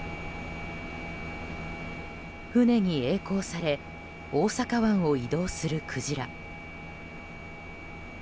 船に曳航され大阪湾を移動するクジラ。